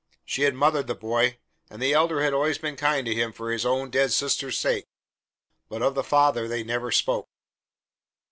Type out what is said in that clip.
She had mothered the boy, and the Elder had always been kind to him for his own dead sister's sake, but of the father they never spoke.